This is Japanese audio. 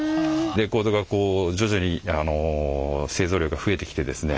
レコードがこう徐々に製造量が増えてきてですね